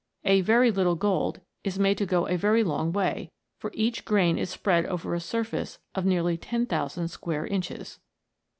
A very little gold is made to go a very long way, for each grain is spread over a surface of nearly ten thousand square inches.